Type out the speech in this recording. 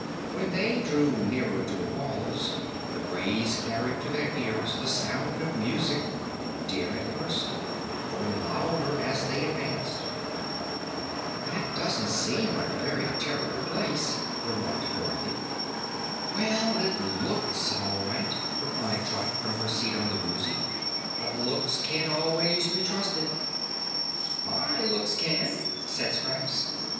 When they drew nearer to the walls, the breeze carried to their ears the sound of music dim at first, but growing louder as they advanced. "That doesn't seem like a very terr'ble place," remarked Dorothy. "Well, it LOOKS all right," replied Trot from her seat on the Woozy, "but looks can't always be trusted." "MY looks can," said Scraps.